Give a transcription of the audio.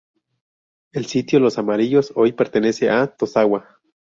El sitio Los Amarillos hoy pertenece a Tosagua.